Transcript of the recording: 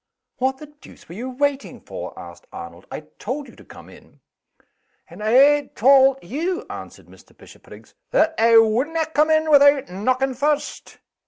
"What the deuce were you waiting for?" asked Arnold. "I told you to come in." "And I tauld you," answered Mr. Bishopriggs, "that I wadna come in without knocking first.